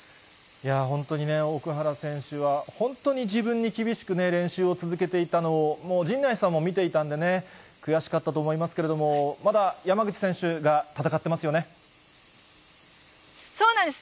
本当にね、奥原選手は本当に自分に厳しく練習を続けていたのを、もう陣内さんも見ていたんでね、悔しかったと思いますけど、まだ山口選手がそうなんです。